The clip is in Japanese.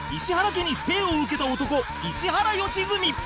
家に生を受けた男石原良純